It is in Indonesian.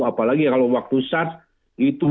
apalagi kalau waktu saat itu